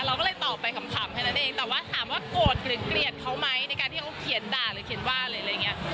เราก็เลยตอบไปขำแค่นั้นเองแต่ว่าถามว่าโกรธหรือเกลียดเขาไหมในการที่เขาเขียนด่าหรือเขียนว่าหรืออะไรอย่างเงี้ย